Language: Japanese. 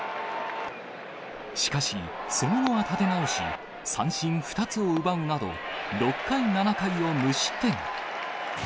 しかし、その後は立て直し、三振２つを奪うなど、６回、７回を無失点。